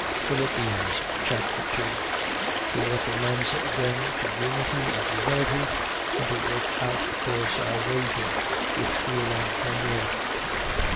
Philippians Chapter 2 He recommends them to unity and humility, and to work out their salvation with fear and trembling.